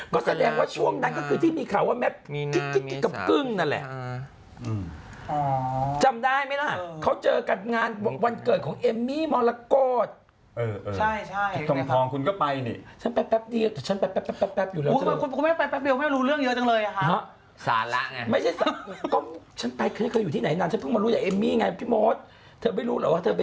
ก็แสดงว่าช่วงนั้นก็ก็คือที่เค้าว่าแมทมีนามีไอ้สาธารณ์ก็มีนากลิ๊กกับกึ้งนั่นแหละ